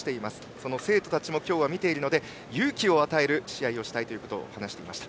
その生徒たちも今日は見ているので勇気を与える試合をしたいと話していました。